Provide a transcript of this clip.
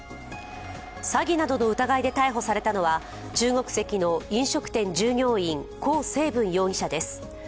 詐欺などの疑いで逮捕されたのは中国籍の飲食店従業員、寇静文容疑者です。